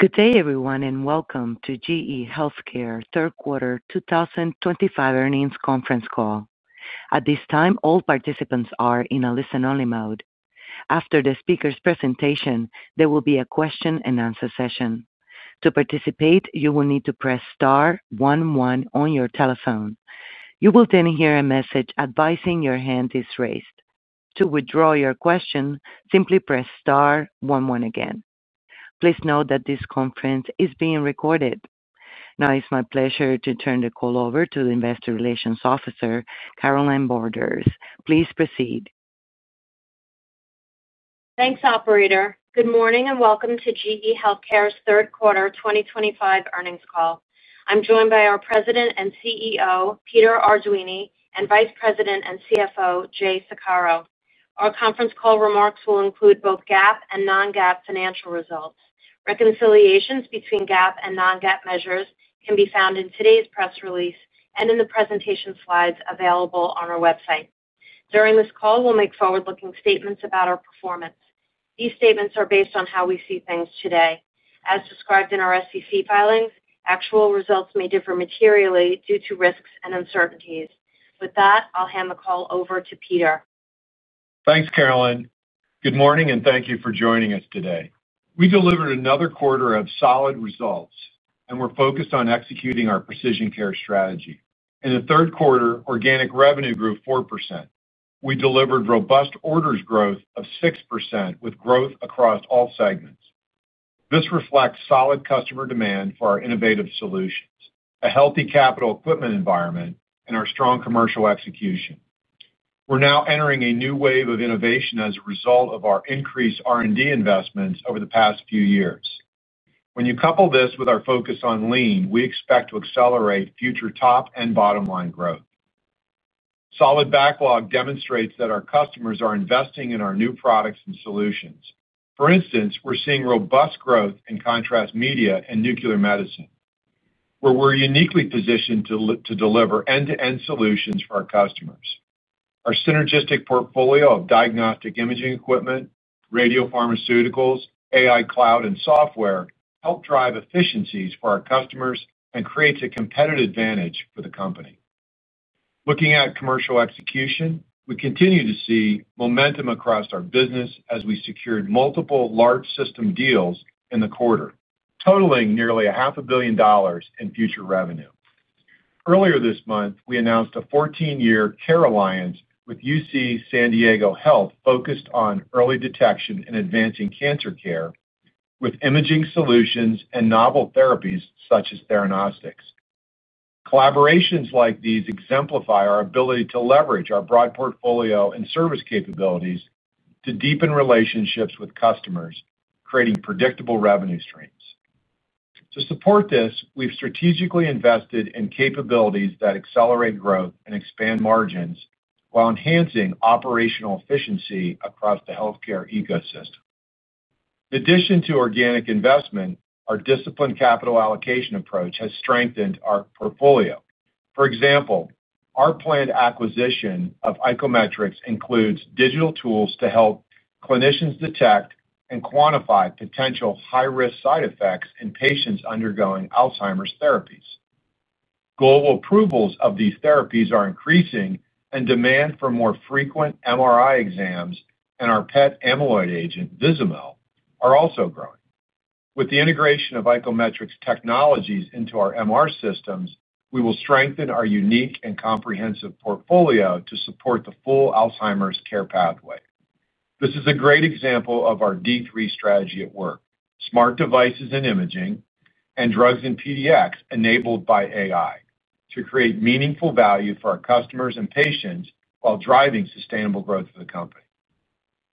Good day everyone and welcome to GE HealthCare Third Quarter 2025 Earnings Conference Call. At this time all participants are in a listen only mode. After the speaker's presentation there will be a question and answer session. To participate you will need to press star one one on your telephone. You will then hear a message advising your hand is raised. To withdraw your question, simply press star one one again. Please note that this conference is being recorded. Now, it's my pleasure to turn the call over to the Investor Relations Officer, Carolynne Borders. Please proceed. Thanks, operator. Good morning and welcome to GE HealthCare's third quarter 2025 earnings call. I'm joined by our President and CEO Peter Arduini and Vice President and CFO Jay Saccaro. Our conference call remarks will include both GAAP and non-GAAP financial results. Reconciliations between GAAP and non-GAAP measures can be found in today's press release and in the presentation slides available on our website. During this call, we'll make forward-looking statements about our performance. These statements are based on how we see things today as described in our SEC filings. Actual results may differ materially due to risks and uncertainties. With that, I'll hand the call over to Peter. Thanks Carolyn. Good morning and thank you for joining us. Today we delivered another quarter of solid results and we're focused on executing our precision care strategy. In the third quarter, organic revenue grew 4%. We delivered robust orders growth of 6% with growth across all segments. This reflects solid customer demand for our innovative solutions, a healthy capital equipment environment, and our strong commercial execution. We're now entering a new wave of innovation as a result of our increased R&D investments over the past few years. When you couple this with our focus on lean, we expect to accelerate future top and bottom line growth. Solid backlog demonstrates that our customers are investing in our new products and solutions. For instance, we're seeing robust growth in contrast media and nuclear medicine where we're uniquely positioned to deliver end-to-end solutions for our customers. Our synergistic portfolio of diagnostic imaging equipment, radiopharmaceuticals, AI, cloud, and software help drive efficiencies for our customers and creates a competitive advantage for the company. Looking at commercial execution, we continue to see momentum across our business as we secured multiple large system deals in the quarter totaling nearly $0.5 billion in future revenue. Earlier this month we announced a 14-year care alliance with UC San Diego Health focused on early detection and advancing cancer care with imaging solutions and novel therapies such as theranostics. Collaborations like these exemplify our ability to leverage our broad portfolio and service capabilities to deepen relationships with customers, creating predictable revenue streams. To support this, we've strategically invested in capabilities that accelerate growth and expand margins while enhancing operational efficiency across the healthcare ecosystem. In addition to organic investment, our disciplined capital allocation approach has strengthened our portfolio. For example, our planned acquisition of icometrix includes digital tools to help clinicians detect and quantify potential high-risk side effects in patients undergoing Alzheimer's therapies. Global approvals of these therapies are increasing and demand for more frequent MRI exams and our PET amyloid agent Vizamyl are also growing. With the integration of icometrix technologies into our MR systems, we will strengthen our unique and comprehensive portfolio to support the full Alzheimer's care pathway. This is a great example of our D3 strategy at work. Smart devices and imaging and drugs and PDx enabled by AI to create meaningful value for our customers and patients while driving sustainable growth for the company.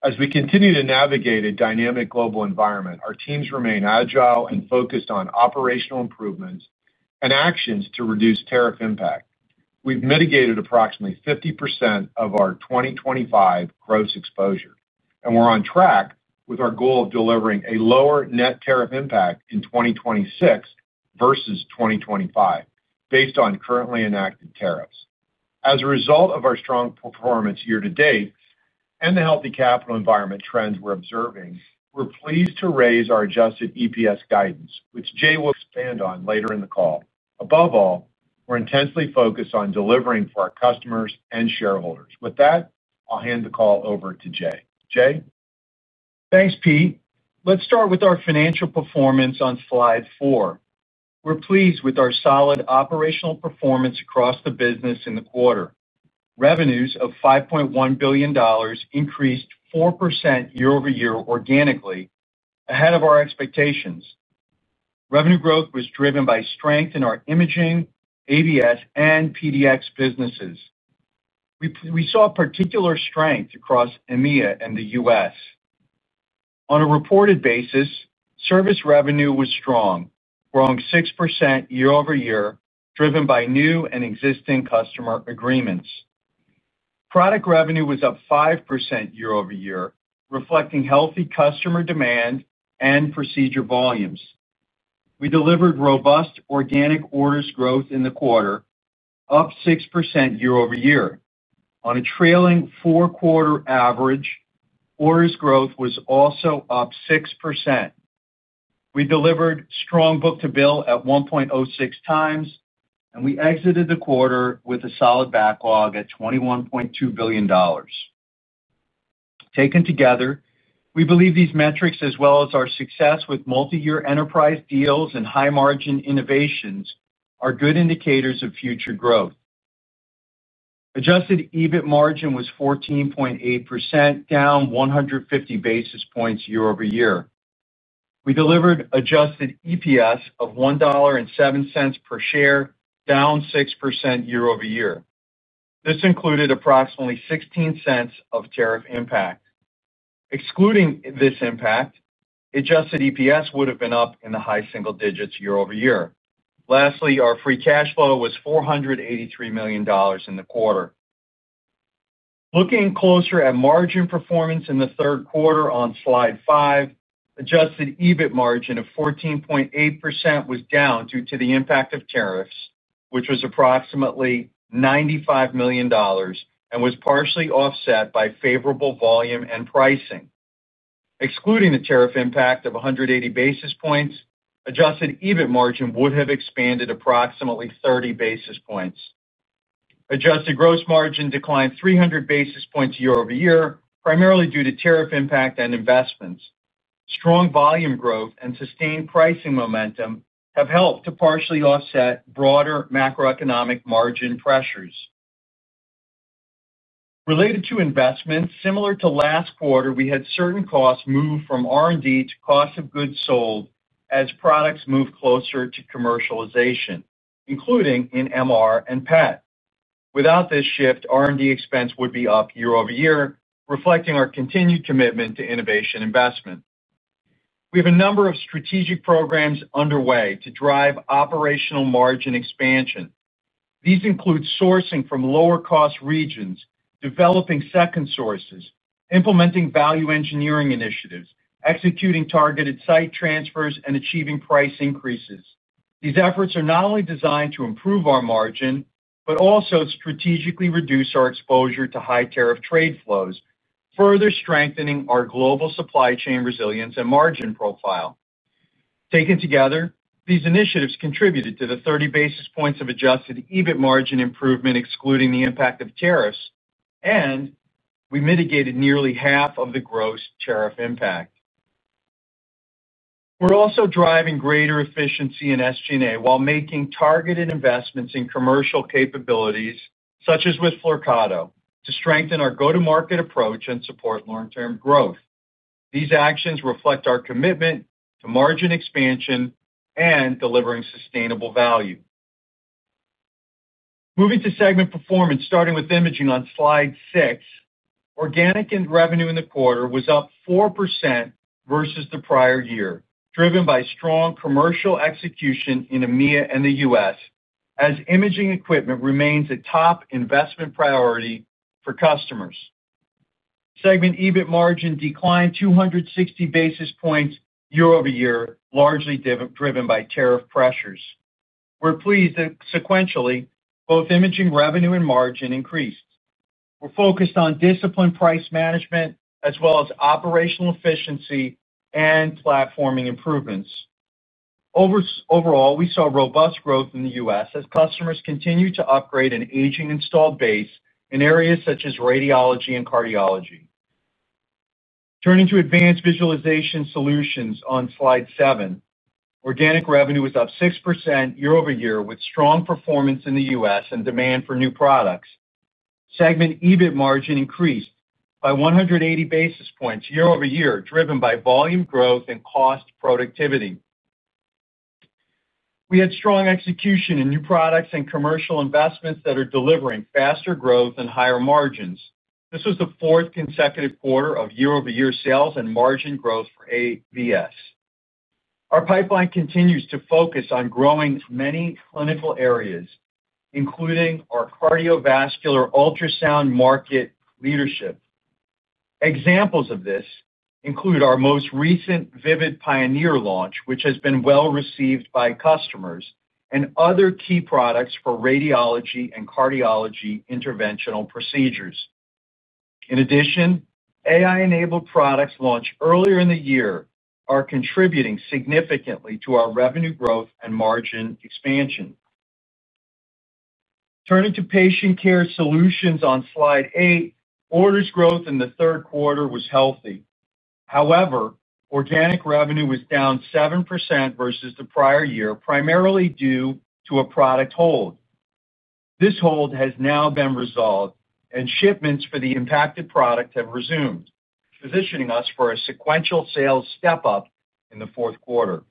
As we continue to navigate a dynamic global environment, our teams remain agile and focused on operational improvements and actions to reduce tariff impact. We've mitigated approximately 50% of our 2025 gross tariff exposure and we're on track with our goal of delivering a lower net tariff impact in 2026 versus 2025 based on currently enacted tariffs. As a result of our strong performance year to date and the healthy capital environment trends we're observing, we're pleased to raise our adjusted EPS guidance, which Jay will expand on later in the call. Above all, we're intensely focused on delivering for our customers and shareholders. With that, I'll hand the call over to Jay. Thanks Pete. Let's start with our financial performance on Slide 4. We're pleased with our solid operational performance across the business in the quarter. Revenues of $5.1 billion increased 4% year-over-year, organically ahead of our expectations. Revenue growth was driven by strength in our imaging, AVS and PDx businesses. We saw particular strength across EMEA and the U.S. On a reported basis, service revenue was strong, growing 6% year-over-year, driven by new and existing customer agreements. Product revenue was up 5% year-over-year, reflecting healthy customer demand and procedure volumes. We delivered robust organic orders growth in the quarter, up 6% year-over-year. On a trailing four quarter average orders growth was also up 6%. We delivered strong book to bill at 1.06x and we exited the quarter with a solid backlog at $21.2 billion. Taken together, we believe these metrics as well as our success with multi-year enterprise deals and high margin innovations are good indicators of future growth. Adjusted EBIT margin was 14.8%, down 150 basis points year-over-year. We delivered adjusted EPS of $1.07 per share, down 6% year-over-year. This included approximately $0.16 of tariff impact. Excluding this impact, adjusted EPS would have been up in the high single digits year-over-year. Lastly, our free cash flow was $483 million in the quarter. Looking closer at margin performance in the third quarter on Slide 5, adjusted EBIT margin of 14.8% was down due to the impact of tariffs, which was approximately $95 million and was partially offset by favorable volume and pricing. Excluding the tariff impact of 180 basis points, adjusted EBIT margin would have expanded approximately 30 basis points. Adjusted gross margin declined 300 basis points year-over-year, primarily due to tariff impact and investments. Strong volume growth and sustained pricing momentum have helped to partially offset broader macroeconomic margin pressures related to investments. Similar to last quarter, we had certain costs move from R&D to cost of goods sold as products move closer to commercialization, including in MR and PET. Without this shift, R&D expense would be up year-over-year. Reflecting our continued commitment to innovation investment, we have a number of strategic programs underway to drive operational margin expansion. These include sourcing from lower cost regions, developing second sources, implementing value engineering initiatives, executing targeted site transfers, and achieving price increases. These efforts are not only designed to improve our margin but also strategically reduce our exposure to high tariff trade flows, further strengthening our global supply chain resilience and margin profile. Taken together, these initiatives contributed to the 30 basis points of adjusted EBIT margin improvement excluding the impact of tariffs, and we mitigated nearly half of the gross tariff impact. We're also driving greater efficiency in SG&A while making targeted investments in commercial capabilities such as with Flyrcado to strengthen our go to market approach and support long term growth. These actions reflect our commitment to margin expansion and delivering sustainable value. Moving to segment performance, starting with Imaging on Slide 6, organic revenue in the quarter was up 4% versus the prior year driven by strong commercial execution in EMEA and the U.S. as imaging equipment remains a top investment priority for customers. Segment EBIT margin declined 260 basis points year-over-year, largely driven by tariff pressures. We're pleased that sequentially both Imaging revenue and margin increased. We're focused on disciplined price management as well as operational efficiency and platforming improvements. Overall, we saw robust growth in the U.S. as customers continue to upgrade an aging installed base in areas such as radiology and cardiology. Turning to Advanced Visualization Solutions on Slide 7, organic revenue was up 6% year-over-year with strong performance in the U.S. and demand for new products. Segment EBIT margin increased by 180 basis points year-over-year driven by volume growth and cost productivity. We had strong execution in new products and commercial investments that are delivering faster growth and higher margins. This was the fourth consecutive quarter of year-over-year sales and margin growth for AVS. Our pipeline continues to focus on growing many clinical areas including our cardiovascular ultrasound market leadership. Examples of this include our most recent Vivid Pioneer launch which has been well received by customers, and other key products for radiology and cardiology interventional procedures. In addition, AI-enabled products launched earlier in the year are contributing significantly to our revenue growth and margin expansion. Turning to Patient Care Solutions on Slide 8, orders growth in the third quarter was healthy. However, organic revenue was down 7% versus the prior year, primarily due to a product hold. This hold has now been resolved, and shipments for the impacted product have resumed, positioning us for a sequential sales step up in the fourth quarter.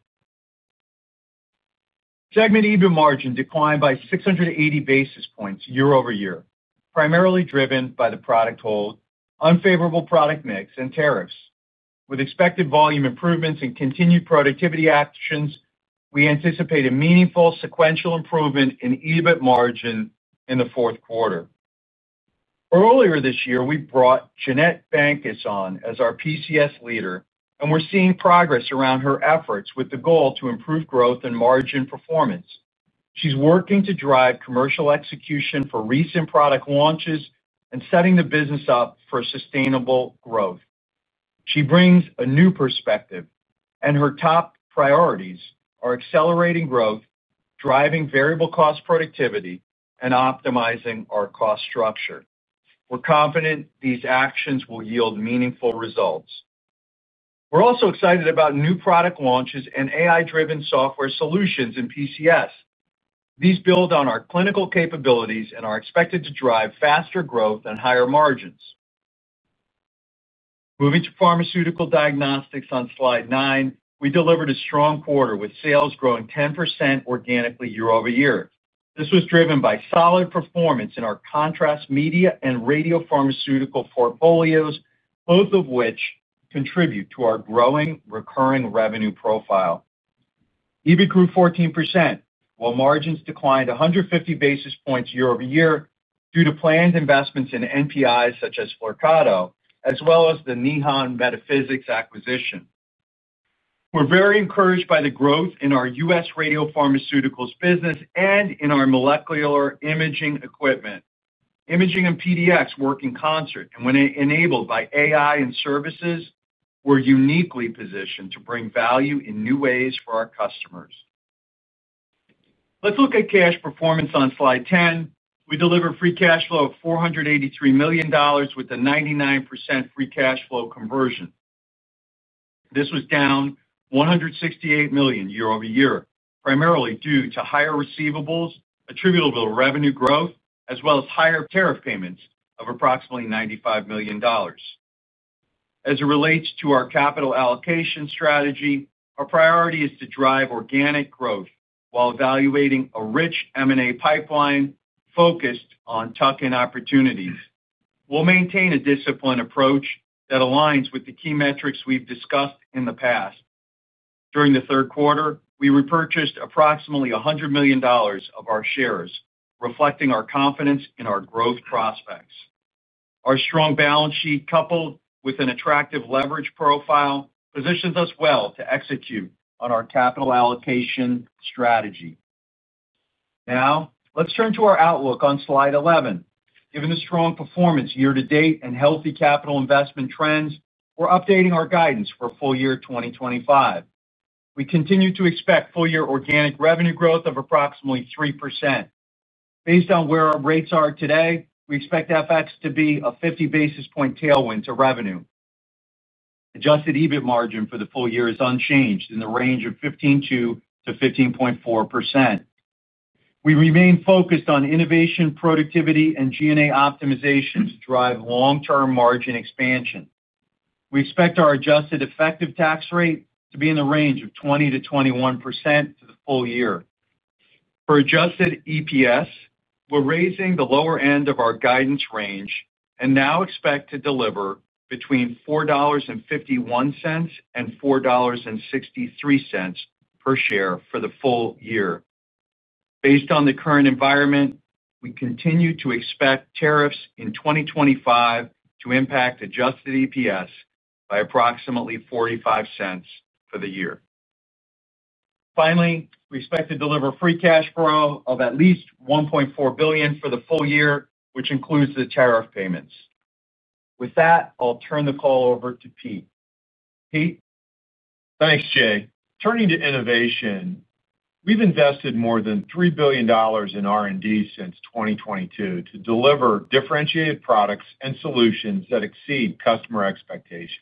Segment. EBIT margin declined by 680 basis points year-over-year, primarily driven by the product hold, unfavorable product mix, and tariffs. With expected volume improvements and continued productivity actions, we anticipate a meaningful sequential improvement in EBIT margin in the fourth quarter. Earlier this year, we brought Jeannette Bankes on as our PCS leader, and we're seeing progress around her efforts with the goal to improve growth and margin performance. She's working to drive commercial execution for recent product launches and setting the business up for sustainable growth. She brings a new perspective, and her top priorities are accelerating growth, driving variable cost productivity, and optimizing our cost structure. We're confident these actions will yield meaningful results. We're also excited about new product launches and AI-powered software solutions in PCS. These build on our clinical capabilities and are expected to drive faster growth and higher margins. Moving to Pharmaceutical Diagnostics, on slide 9, we delivered a strong quarter with sales growing 10% organically year-over-year. This was driven by solid performance in our contrast media and radiopharmaceutical portfolios, both of which contribute to our growing recurring revenue profile. EBIT grew 14% while margins declined 150 basis points year-over-year due to planned investments in NPIs such as Flyrcado as well as the Nihon Medi-Physics acquisition. We're very encouraged by the growth in our U.S. radiopharmaceuticals business and in our molecular imaging equipment. Imaging and PDx work in concert, and when enabled by AI and services, we're uniquely positioned to bring value in new ways for our customers. Let's look at cash performance on slide 10. We delivered free cash flow of $483 million with a 99% free cash flow conversion. This was down $168 million year-over-year, primarily due to higher receivables attributable to revenue growth as well as higher tariff payments of approximately $95 million. As it relates to our capital allocation strategy, our priority is to drive organic growth while evaluating a rich M&A pipeline focused on tuck-in opportunities. We'll maintain a disciplined approach that aligns with the key metrics we've discussed in the past. During the third quarter, we repurchased approximately $100 million of our shares, reflecting our confidence in our growth prospects. Our strong balance sheet coupled with an attractive leverage profile positions us well to execute on our capital allocation strategy. Now let's turn to our outlook on slide 11. Given the strong performance year to date and healthy capital investment trends, we're updating our guidance for full year 2025. We continue to expect full year organic revenue growth of approximately 3%. Based on where our rates are today, we expect FX to be a 50 basis point tailwind to revenue. Adjusted EBIT margin for the full year is unchanged in the range of 15.2%-15.4%. We remain focused on innovation, productivity and G&A optimization to drive long term margin expansion. We expect our adjusted effective tax rate to be in the range of 20%-21% for the full year. For adjusted EPS, we're raising the lower end of our guidance range and now expect to deliver between $4.51 and $4.63 per share for the full year. Based on the current environment, we continue to expect tariffs in 2025 to impact adjusted EPS by approximately $0.45 for the year. Finally, we expect to deliver free cash flow of at least $1.4 billion for the full year which includes the tariff payments. With that, I'll turn the call over to Pete. Pete. Thanks Jay. Turning to innovation, we've invested more than $3 billion in R&D since 2022 to deliver differentiated products and solutions that exceed customer expectations.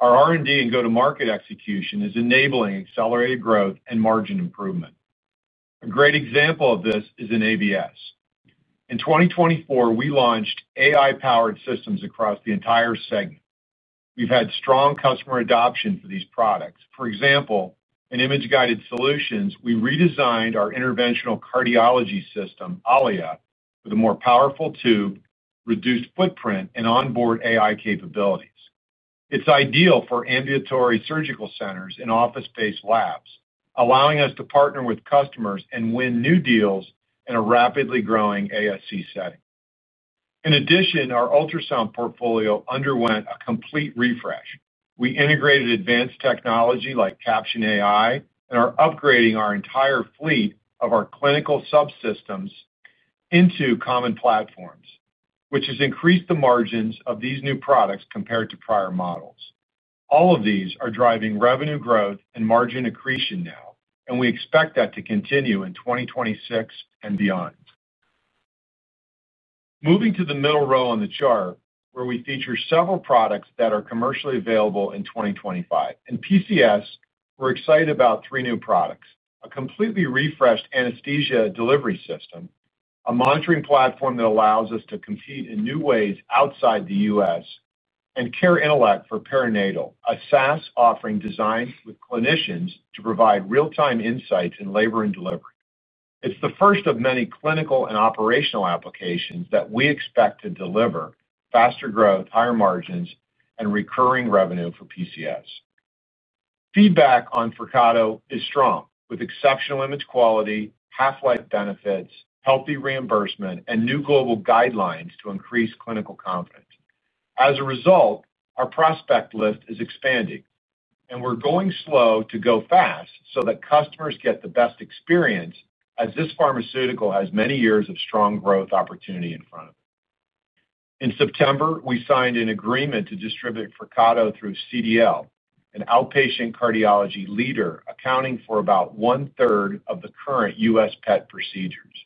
Our R&D and go-to-market execution is enabling accelerated growth and margin improvement. A great example of this is in AVS. In 2024, we launched AI-powered systems across the entire segment. We've had strong customer adoption for these products. For example, in Image Guided Solutions, we redesigned our interventional cardiology system, Allia, with a more powerful tube, reduced footprint, and onboard AI capabilities. It's ideal for ambulatory surgical centers and office-based labs, allowing us to partner with customers and win new deals in a rapidly growing ASC setting. In addition, our ultrasound portfolio underwent a complete refresh. We integrated advanced technology like Caption AI and are upgrading our entire fleet of our clinical subsystems into common platforms, which has increased the margins of these new products compared to prior models. All of these are driving revenue growth and margin accretion now, and we expect that to continue in 2026 and beyond. Moving to the middle row on the chart where we feature several products that are commercially available in 2025 in PDx, we're excited about three new products: a completely refreshed anesthesia delivery system, a monitoring platform that allows us to compete in new ways outside the U.S., and CareIntellect for Perinatal, a SaaS offering designed with clinicians to provide real-time insights in labor and delivery. It's the first of many clinical and operational applications that we expect to deliver faster growth, higher margins, and recurring revenue for PDx. Feedback on Flyrcado is strong with exceptional image quality, half-life benefits, healthy reimbursement, and new global guidelines to increase clinical confidence. As a result, our prospect list is expanding, and we're going slow to go fast so that customers get the best experience as this pharmaceutical has many years of strong growth opportunity in front of it. In September, we signed an agreement to distribute Flyrcado through CDL, an outpatient cardiology leader accounting for about one third of the current U.S. PET procedures.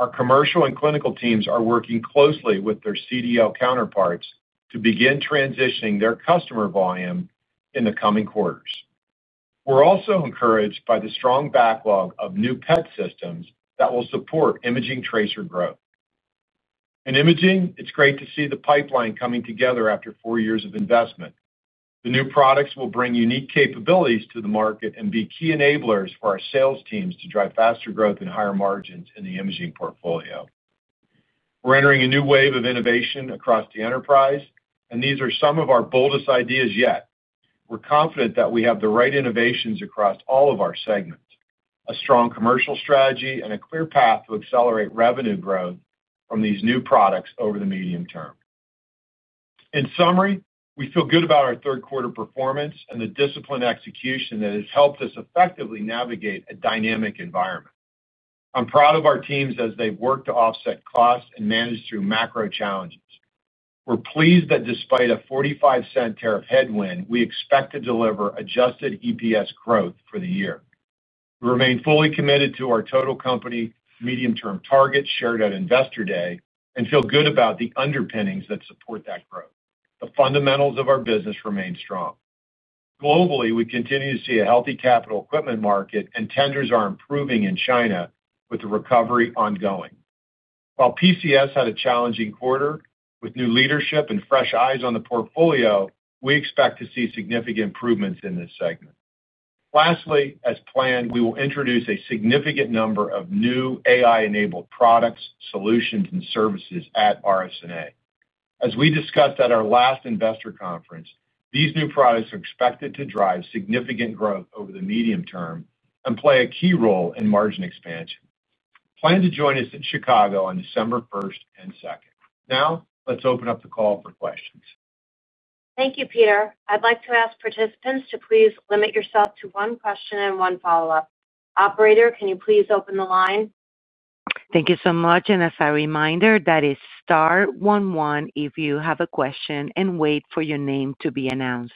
Our commercial and clinical teams are working closely with their CDL counterparts to begin transitioning their customer volume in the coming quarters. We're also encouraged by the strong backlog of new PET systems that will support imaging tracer growth. In Imaging, it's great to see the pipeline coming together after four years of investment. The new products will bring unique capabilities to the market and be key enablers for our sales teams to drive faster growth and higher margins in the Imaging portfolio. We're entering a new wave of innovation across the enterprise, and these are some of our boldest ideas yet. We're confident that we have the right innovations across all of our segments, a strong commercial strategy, and a clear path to accelerate revenue growth from these new products over the medium term. In summary, we feel good about our third quarter performance and the disciplined execution that has helped us effectively navigate a dynamic environment. I'm proud of our teams as they work to offset costs and manage through macro challenges. We're pleased that despite a $0.45 tariff headwind, we expect to deliver adjusted EPS growth for the year. We remain fully committed to our total company medium term targets shared at Investor Day and feel good about the underpinnings that support that growth. The fundamentals of our business remain strong. Globally, we continue to see a healthy capital equipment market, and tenders are improving in China with the recovery ongoing. While PDx had a challenging quarter, with new leadership and fresh eyes on the portfolio, we expect to see significant improvements in this segment. Lastly, as planned, we will introduce a significant number of new AI-powered products, solutions, and services at RSNA. As we discussed at our last investor conference, these new products are expected to drive significant growth over the medium term and play a key role in margin expansion. Plan to join us in Chicago on December 1st and 2nd. Now let's open up the call for questions. Thank you, Peter. I'd like to ask participants to please limit yourself to one question and one follow-up. Operator, can you please open the line? Thank you so much. As a reminder, that is star one one if you have a question. Wait for your name to be announced.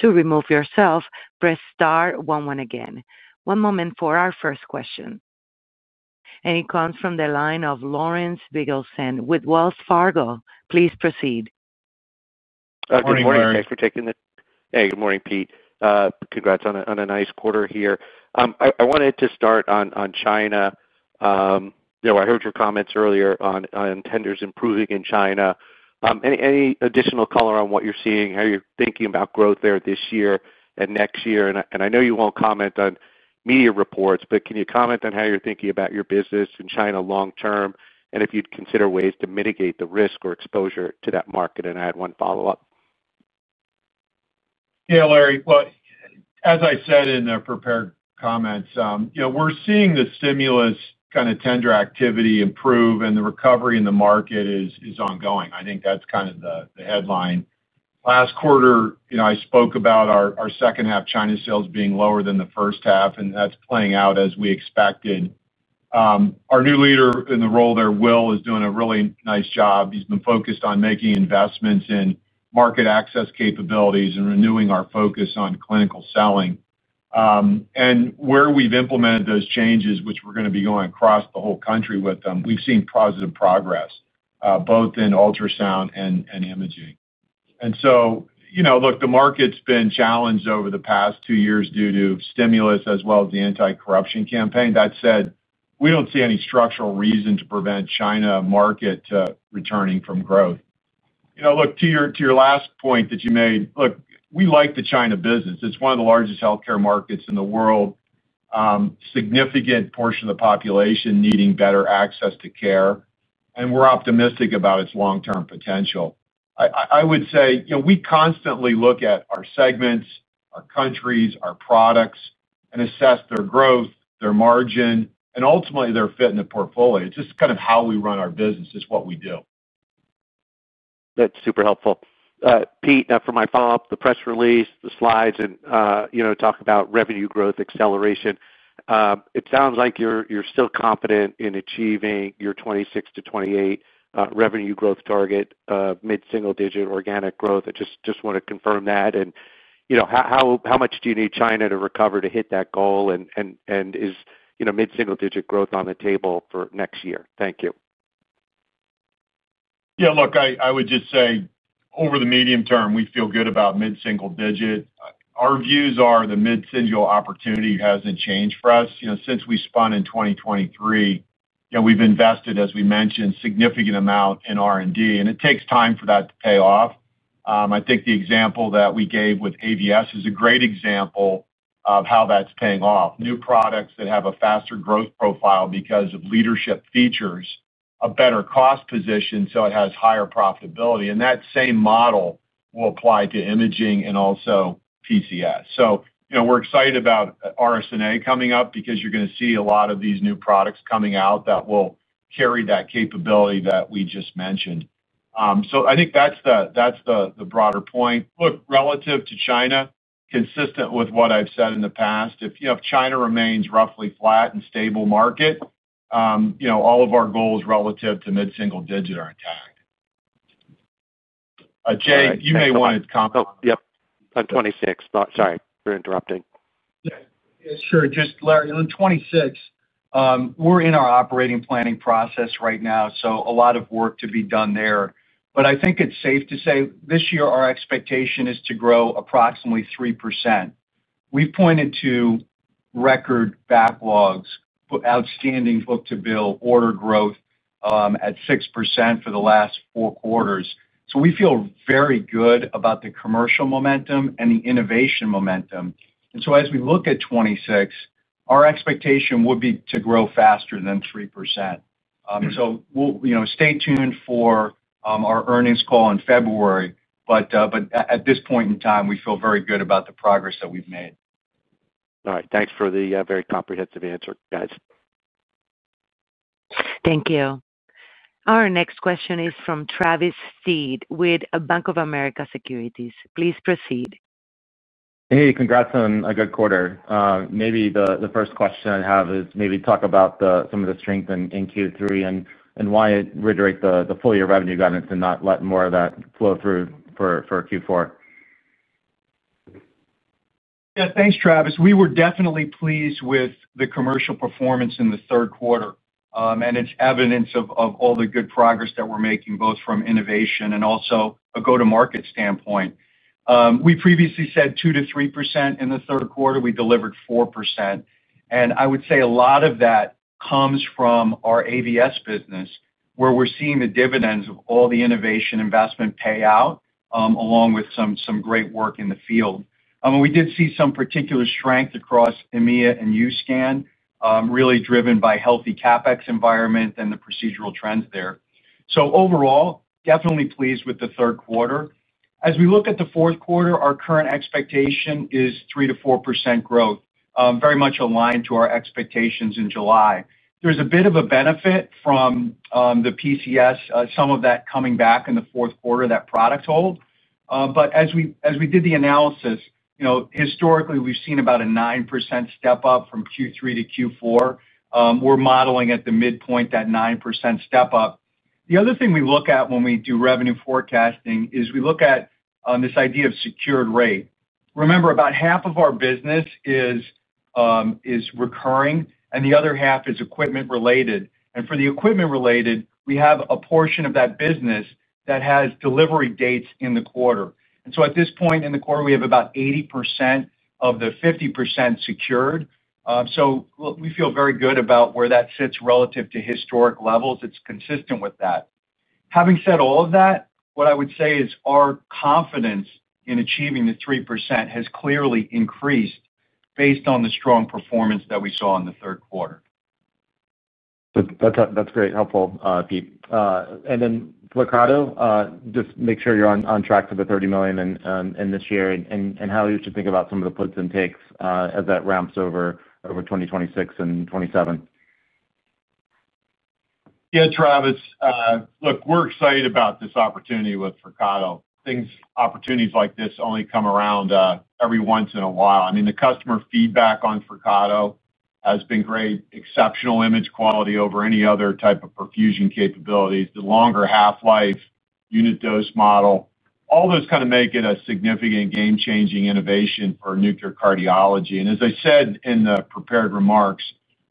To remove yourself, press star one one again. One moment for our first question. It comes from the line of Lawrence Biegelsen with Wells Fargo. Please proceed. Good morning. Thanks for taking the call. Hey, good morning Pete. Congrats on a nice quarter here. I wanted to start on China. I heard your comments earlier on tenders improving in China. Any additional color on what you're seeing, how you're thinking about growth there this year and next year? I know you won't comment on media reports, can you comment on how you're thinking about your business in China long term and if you'd consider ways to mitigate the risk or exposure to that market? I had one follow up. Yeah, Larry, as I said in the prepared comments, we're seeing the stimulus kind of tender activity improve and the recovery in the market is ongoing. I think that's kind of the headline. Last quarter, I spoke about our second half China sales being lower than the first half and that's playing out as we expected. Our new leader in the role there is doing a really nice job. He's been focused on making investments in market access capabilities and renewing our focus on clinical selling. Where we've implemented those changes, which we're going to be going across the whole country with them, we've seen positive progress both in ultrasound and imaging. The market's been challenged over the past two years due to stimulus as well as the anti corruption campaign. That said, we don't see any structural reason to prevent China market returning to growth. To your last point that you made, we like the China business. It's one of the largest health care markets in the world, significant portion of the population needing better access to care and we're optimistic about its long term potential. I would say we constantly look at our segments, our countries, our products and assess their growth, their margin and ultimately their fit in the portfolio. Just kind of how we run our business. It's what we do. That's super helpful. Pete, for my follow up, the press release, the slides talk about revenue growth acceleration. It sounds like you're still confident in achieving your 26%-28% revenue growth target, mid single digit organic growth. I just want to confirm that. You know, how much do you need China to recover to hit that goal? Is mid single digit growth on the table for next year? Thank you. Yeah, look, I would just say over the medium term we feel good about mid single digit. Our views are the mid single opportunity hasn't changed for us since we spun in 2023. We've invested, as we mentioned, significant amount in R&D and it takes time for that to pay off. I think the example that we gave with AVS is a great example of how that's paying off. New products that have a faster growth profile because of leadership features, a better cost position, so it has higher profitability. That same model will apply to imaging and also PCS. We're excited about RSNA coming up because you're going to see a lot of these new products coming out that will carry that capability that we just mentioned. I think that's the broader point. Look, relative to China, consistent with what I've said in the past, if China remains roughly flat and stable market, all of our goals relative to mid single digit are intact. Jay, you may want to comment. On 2026. Sorry for interrupting. Sure. Larry, on 2026, we're in our operating planning process right now, so a lot of work to be done there. I think it's safe to say this year our expectation is to grow approximately 3%. We've pointed to record backlogs, outstanding book to bill order growth at 6% for the last four quarters. We feel very good about the commercial momentum and the innovation momentum. As we look at 2026, our expectation would be to grow faster than 3%. Stay tuned for our earnings call in February. At this point in time, we feel very good about the progress that we've made. All right, thanks for the very comprehensive answer, guys. Thank you. Our next question is from Travis Steed with Bank of America Securities. Please proceed. Hey, congrats on a good quarter. Maybe the first question I have is maybe talk about some of the strength in Q3 and why reiterate the full year revenue guidance and not let more of that flow through for Q4? Thanks, Travis. We were definitely pleased with the commercial performance in the third quarter, and it's evidence of all the good progress that we're making both from innovation and also a go-to-market standpoint. We previously said 2%-3% in the third quarter; we delivered 4%. I would say a lot of that comes from our AVS business, where we're seeing the dividends of all the innovation investment pay out, along with some great work in the field. We did see some particular strength across EMEA and USCAN, really driven by healthy CapEx environment and the procedural trends there. Overall, definitely pleased with the third quarter. As we look at the fourth quarter, our current expectation is 3%-4% growth, very much aligned to our expectations in July. There's a bit of a benefit from the PCS, some of that coming back in the fourth quarter, that product hold. As we did the analysis, historically we've seen about a 9% step up from Q3 to Q4. We're modeling at the midpoint that 9% step up. The other thing we look at when we do revenue forecasting is this idea of secured rate. Remember, about half of our business is recurring, and the other half is equipment related. For the equipment related, we have a portion of that business that has delivery dates in the quarter. At this point in the quarter, we have about 80% of the 50% secured. We feel very good about where that sits relative to historic levels it's consistent with that. Having said all of that, what I would say is our confidence in achieving the 3% has clearly increased based on the strong performance that we saw in the third quarter. That's great helpful, Pete. Flyrcado, just make sure you're on track for the $30 million in this year and how you should think about some of the puts and takes as that ramps over 2026 and 2027. Yeah, Travis, look, we're excited about this opportunity with Flyrcado. Opportunities like this only come around every once in a while. I mean, the customer feedback on Flyrcado has been great. Exceptional image quality over any other type of perfusion capabilities, the longer half-life unit dose model, all those kind of make it a significant game-changing innovation for nuclear cardiology. As I said in the prepared remarks,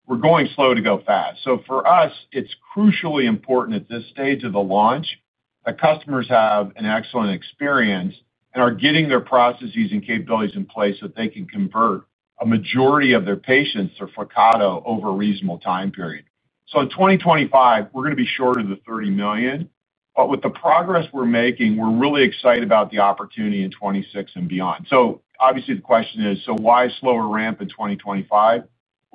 we're going slow to go fast. For us, it's crucially important at this stage of the launch that customers have an excellent experience and are getting their processes and capabilities in place so that they can convert a majority of their patients to Flyrcado over a reasonable time period. In 2025, we're going to be short of the $30 million. With the progress we're making, we're really excited about the opportunity in 2026 and beyond. Obviously, the question is, why slower ramp in 2025?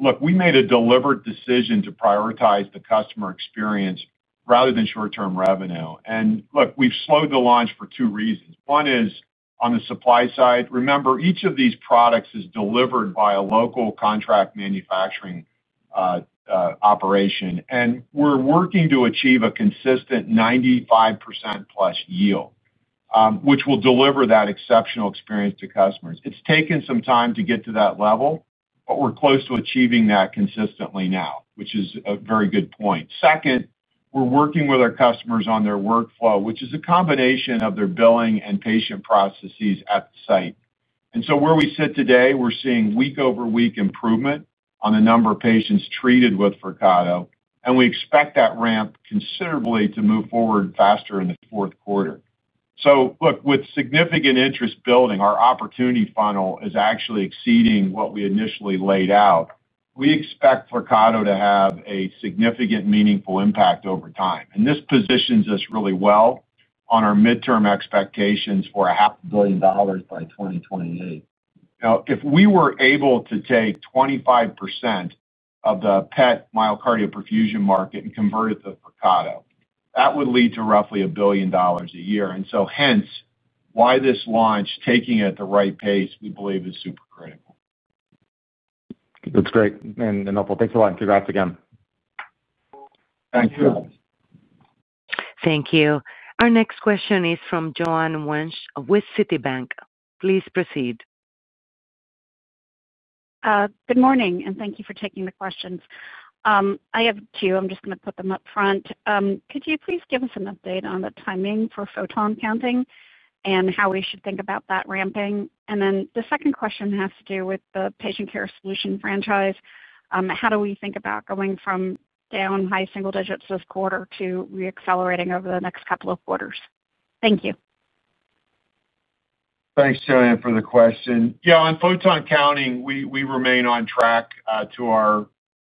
Look, we made a deliberate decision to prioritize the customer experience rather than short-term revenue. We've slowed the launch for two reasons. One is on the supply side. Remember, each of these products is delivered by a local contract manufacturing operation and we're working to achieve a consistent 95%+ yield, which will deliver that exceptional experience to customers. It's taken some time to get to that level, but we're close to achieving that consistently now, which is a very good point. Second, we're working with our customers on their workflow, which is a combination of their billing and patient processes at the site. Where we sit today, we're seeing week-over-week improvement on the number of patients treated with Flyrcado. We expect that ramp considerably to move forward faster in the fourth quarter. With significant interest building, our opportunity funnel is actually exceeding what we initially laid out. We expect Flyrcado to have a significant meaningful impact over time. This positions us really well on our midterm expectations for a half $500 million by 2028. Now, if we were able to take 25% of the PET myocardial perfusion market and convert it to Flyrcado, that would lead to roughly $1 billion a year. Hence why this launch taking at the right pace, we believe, is super critical. Looks great. Of course, thanks a lot and congrats again. Thank you. Thank you. Our next question is from Joanne Wuensch with Citibank. Please proceed. Good morning and thank you for taking the questions. I have two, I'm just going to put them up front. Could you please give us an update on the timing for photon counting and how we should think about that ramping? The second question has to do with the patient care solution franchise. How do we think about going from down high single digits this quarter to reaccelerating over the next couple of quarters? Thank you. Thanks, Joanne for the question, yeah. On photon counting, we remain on track to our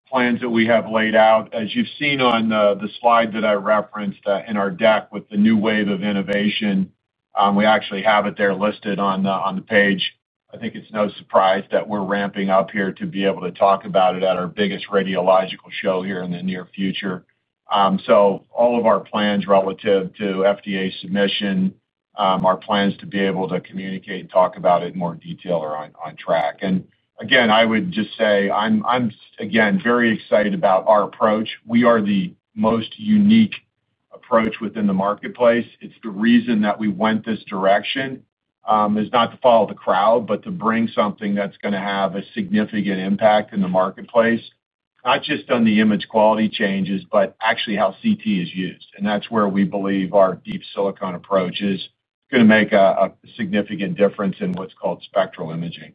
plans that we have laid out, as you've seen on the slide that I referenced in our deck with the new wave of innovation. We actually have it there listed on the page. I think it's no surprise that we're ramping up here to be able to talk about it at our biggest radiological show here in the near future. All of our plans relative to FDA submission, our plans to be able to communicate and talk about it in more detail are on track. I would just say I'm again, very excited about our approach. We are the most unique approach within the marketplace. The reason that we went this direction is not to follow the crowd, but to bring something that's going to have a significant impact in the marketplace, not just on the image quality changes, but actually how CT is used. That's where we believe our deep silicone approach is going to make a significant difference in what's called spectral imaging.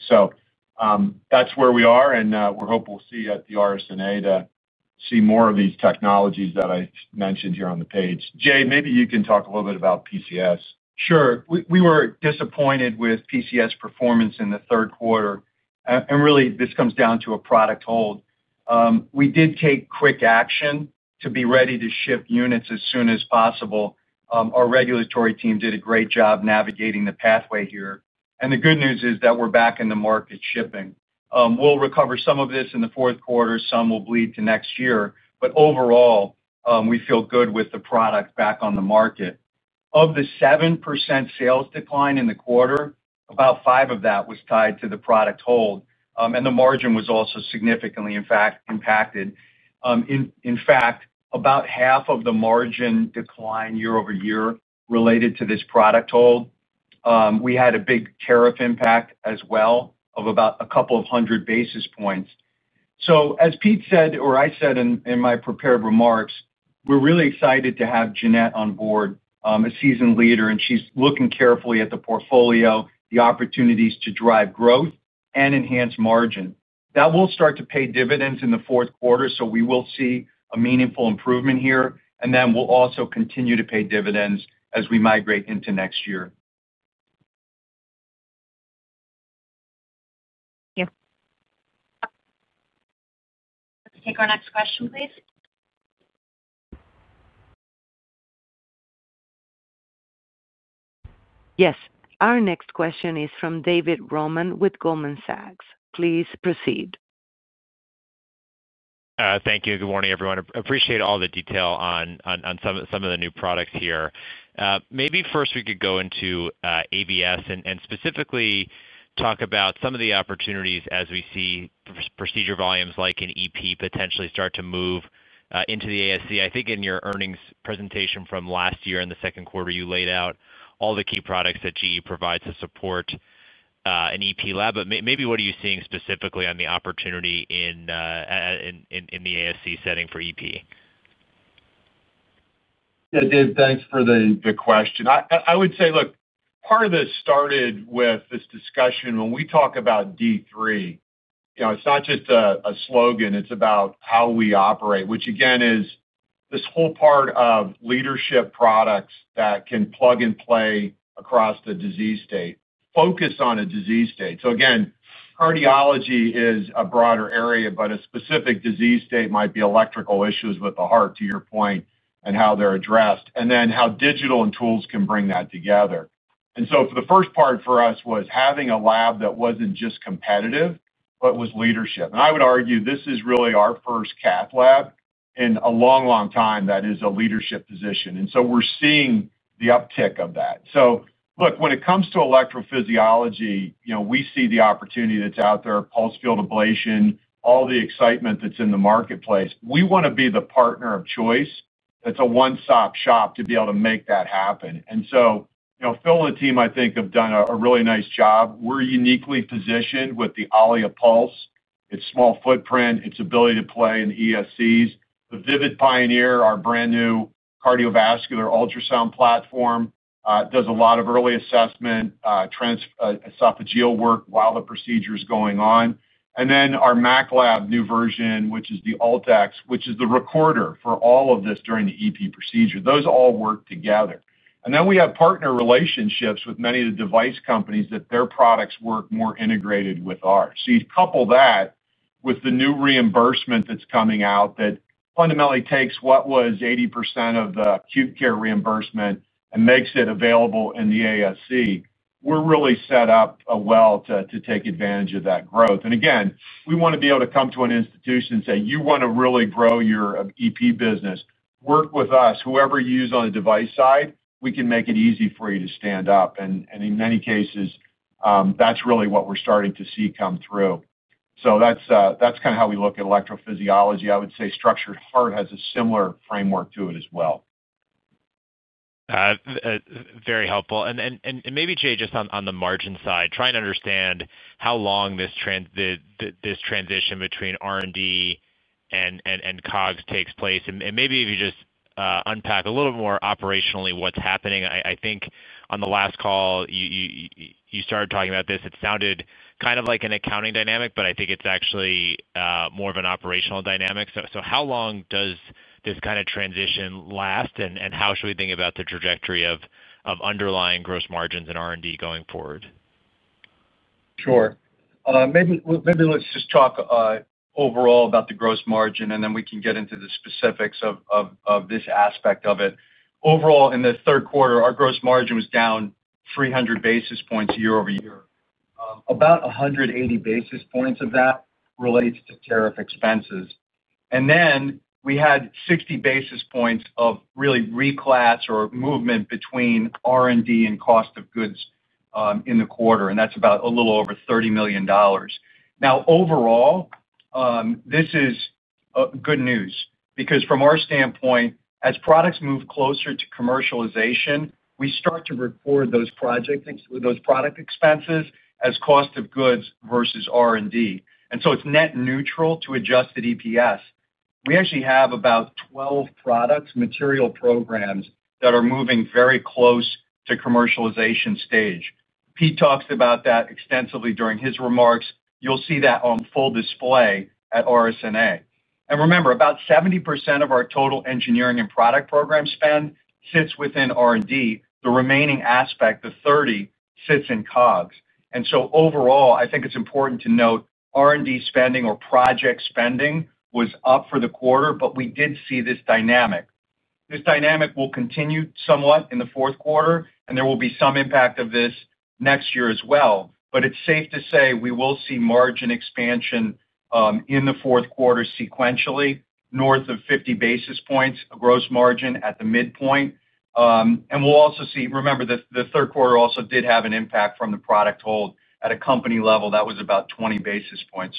That's where we are and we hope we'll see you at the RSNA to see more of these technologies that I mentioned here on the page. Jay, maybe you can talk a little bit about PCS. Sure. We were disappointed with PCS performance in the third quarter, and really this comes down to a product hold. We did take quick action to be ready to ship units as soon as possible. Our regulatory team did a great job navigating the pathway here. The good news is that we're back in the market shipping. We'll recover some of this in the fourth quarter. Some will bleed to next year. Overall, we feel good with the product back on the market. Of the 7% sales decline in the quarter, about 5% of that was tied to the product hold. The margin was also significantly impacted. In fact, about half of the margin decline year-over-year related to this product hold. We had a big tariff impact as well of about a Sure. of hundred basis points. As Pete said or I said in my prepared remarks, we're really excited to have Jeannette on board, a seasoned leader, and she's looking carefully at the portfolio, the opportunities to drive growth and enhance margin that will start to pay dividends in the fourth quarter. We will see a meaningful improvement here, and then we'll also continue to pay dividends as we migrate into next year. Let's take our next question, please. Yes, our next question is from David Roman with Goldman Sachs. Please proceed. Thank you. Good morning, everyone. Appreciate all the detail on some of the new products here. Maybe first we could go into AVS and specifically talk about some of the opportunities as we see procedure volumes like an EP potentially start to move into the ASC. I think in your earnings presentation from last year, in the second quarter, you laid out all the key products that GE provides to support an EP lab. What are you seeing specifically on the opportunity in the ASC setting for EP? Dave, thanks for the question. I would say, look, part of this started with this discussion. When we talk about D3, it's not just a slogan, it's about how we operate, which again is this whole part of leadership. Products that can plug and play across the disease state, focus on a disease state. Cardiology is a broader area, but a specific disease state might be electrical issues with the heart, to your point, and how they're addressed and then how digital and tools can bring that together. For the first part for us was having a lab that wasn't just competitive, but was leadership. I would argue this is really our first cath lab in a long, long time that is a leadership position. We're seeing the uptick of that. When it comes to electrophysiology, we see the opportunity that's out there, pulse field ablation, all the excitement that's in the marketplace. We want to be the partner of choice that's a one stop shop to be able to make that happen. Phil and the team, I think, have done a really nice job. We're uniquely positioned with the Allia pulse, its small footprint, its ability to play in ESCs. The Vivid Pioneer, our brand new cardiovascular ultrasound platform, does a lot of early assessment esophageal work while the procedure is going on. Our Mac-Lab new version, which is the AltiX, which is the recorder for all of this during the EP procedure, those all work together. We have partner relationships with many of the device companies that their products work more integrated with ours. You couple that with the new reimbursement that's coming out that fundamentally takes what was 80% of the acute care reimbursement and makes it available in the ASC. We're really set up well to take advantage of that growth. We want to be able to come to an institution, say you want to really grow your EP business, work with us. Whoever you use on the device side, we can make it easy for you to stand up. In many cases that's really what we're starting to see come through. That's kind of how we look at electrophysiology. I would say structured heart has a similar framework to it as well. Very helpful. Maybe, Jay, just on the margin side, trying to understand how long this transition between R&D and COGS takes place and maybe if you just unpack a little more operationally what's happening. I think on the last call you started talking about this. It sounded kind of like an accounting dynamic, but I think it's actually more of an operational dynamic. How long does this transition last, and how should we think about the trajectory of underlying gross margins in R&D going forward? Sure. Maybe let's just talk overall about the gross margin and then we can get into the specifics of this aspect of it. Overall, in the third quarter our gross margin was down 300 basis points year-over-year, about 180 basis points of that relates to tariff expenses. We had 60 basis points of really reclass or movement between R&D and cost of goods in the quarter. That's about a little over $30 million. Now overall, this is good news because from our standpoint, as products move closer to commercialization, we start to record those product expenses as cost of goods versus R&D. It's net neutral to adjusted EPS. We actually have about 12 products, material programs that are moving very close to commercialization stage. Pete talks about that extensively during his remarks. You'll see that on full display at RSNA. Remember, about 70% of our total engineering and product program spend sits within R&D. The remaining aspect, the 30% sits in COGS. Overall, I think it's important to note R&D spending or project spending was up for the quarter. We did see this dynamic. This dynamic will continue somewhat in the fourth quarter and there will be some impact of this next year as well. It's safe to say we will see margin expansion in the fourth quarter sequentially north of 50 basis points, gross margin at the midpoint. We'll also see, remember that the third quarter also did have an impact from the product hold at a company level. That was about 20 basis points.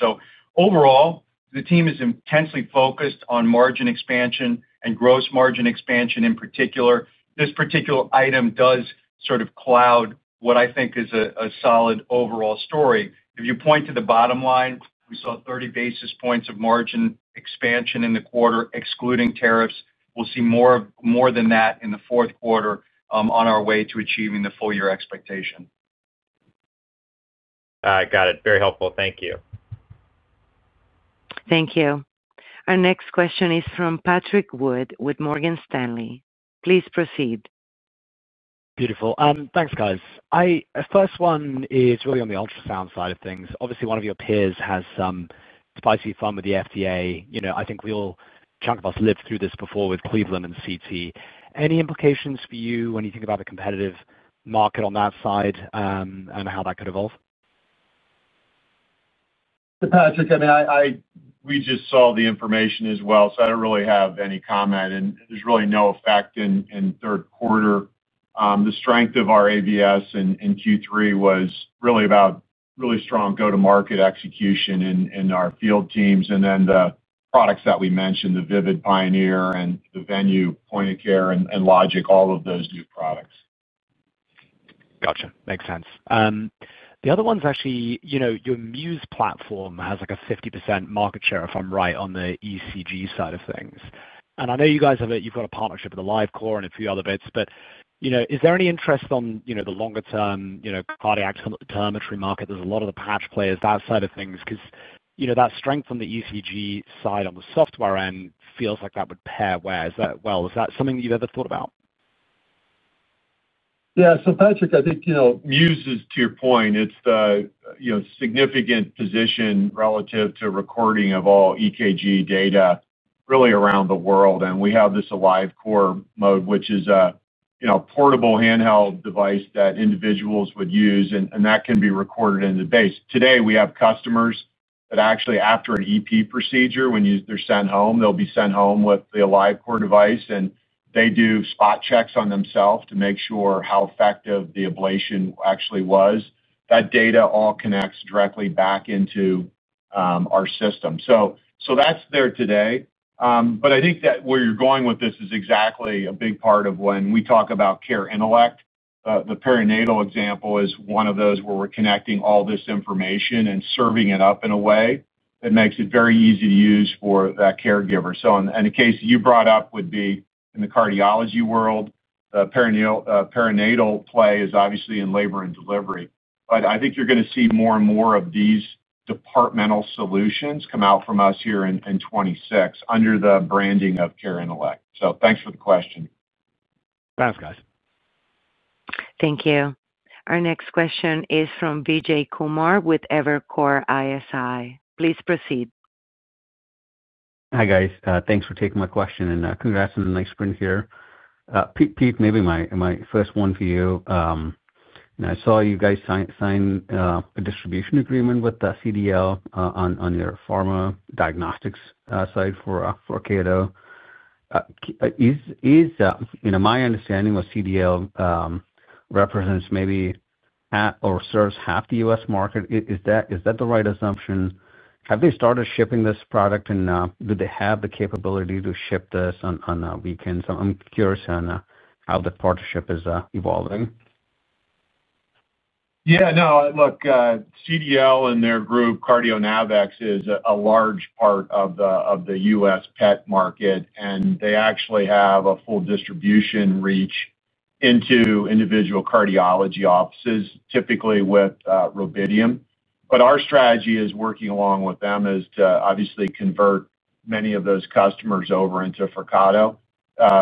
Overall, the team is intensely focused on margin expansion and gross margin expansion in particular. This particular item does sort of cloud what I think is a solid overall story. If you point to the bottom line, we saw 30 basis points of margin expansion in the quarter, excluding tariffs. We'll see more than that in the fourth quarter on our way to achieving the full year expectation. Got it. Very helpful. Thank you. Thank you. Our next question is from Patrick Wood with Morgan Stanley. Please proceed. Thanks, guys. First one is really on the ultrasound side of things. Obviously, one of your peers has some spicy fun with the FDA. I think we all, a chunk of us, lived through this before with Cleveland and CT. Any implications for you when you think about the competitive market on that side and how that could evolve? Patrick, we just saw the information as well so I don't really have any comment and there's really no effect in the third quarter. The strength of our AVS in Q3 was really about really strong go to market execution in our field teams. The products that we mentioned, the Vivid Pioneer and the Venue point-of-care and LOGIQ, all of those new products. Gotcha. Makes sense. The other one is actually, you know, your MUSE platform has like a 50% market share if I'm right on the ECG side of things, and I know you guys have got a partnership with AliveCor and a few other bits, but is there any interest on the longer term cardiac terminator market? There's a lot of the patch players that side of things because that strength on the ECG side on the software end feels like that would pair. Where is that something you've ever thought about? Yeah. Patrick, I think, to your point, it's the significant position relative to recording of all EKG data really around the world. We have this AliveCor mode, which is a portable handheld device that individuals would use and that can be recorded in the base. Today, we have customers that actually, after an EP procedure, when they're sent home, they'll be sent home with the AliveCor device and they do spot checks on themselves to make sure how effective the ablation actually was. That data all connects directly back into our system. That's there today. I think that where you're going with this is exactly a big part of when we talk about CareIntellect. The perinatal example is one of those where we're connecting all this information and serving it up in a way that makes it very easy to use for that caregiver. In the case you brought up, it would be in the cardiology world; perinatal play is obviously in labor and delivery. I think you're going to see more and more of these departmental solutions come out from us here in 2026 under the branding of CareIntellect. Thanks for the question. Thanks guys. Thank you. Our next question is from Vijay Kumar with Evercore ISI. Please proceed. Hi guys, thanks for taking my question and congrats on the next screen here. Pete, maybe my first one for you. I saw you guys sign a distribution agreement with the CDL on your pharma diagnostics side for Cardio. Is my understanding of CDL represents maybe or serves half the U.S. market. Is that the right assumption? Have they started shipping this product and do they have the capability to ship this on weekends? I'm curious on how the partnership is evolving. Yeah, no, look, CDL and their group CardioNavix is a large part of the U.S. PET market and they actually have a full distribution reach into individual cardiology offices, typically with Rubidium. Our strategy is working along with them to obviously convert many of those customers over into Flyrcado.